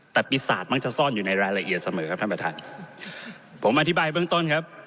แต่ปีศาจมักจะซ่อนอยู่ในรายละเอียดเสมอครับท่านประธานผมอธิบายเบื้องต้นครับ